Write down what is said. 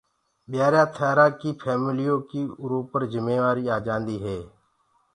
ٻيآرآ ٿيآرآ پر اُنآ ڪي ڦيمليو ڪي جِميوآري آجآندي هي۔